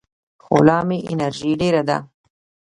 خو لا مې انرژي ډېره ده.